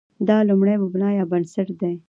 دا لومړی مبنا یا بنسټ دی.